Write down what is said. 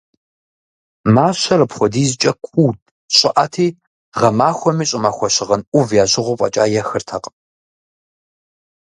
Мащэр апхуэдизкӏэ куут, щӏыӏэти, гъэмахуэми щӏымахуэ щыгъын ӏув ящыгъыу фӏэкӏа ехыртэкъым.